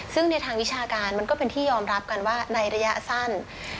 ซึ่งในทางวิชาการมันก็เป็นที่ยอมรับกันว่าในระยะสั้น